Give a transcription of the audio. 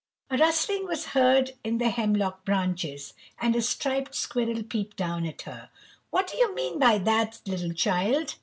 A rustling was heard in the hemlock branches, and a striped squirrel peeped down at her. "What do you mean by that, little Child?"